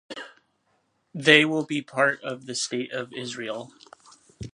They will be part of the state of Israel.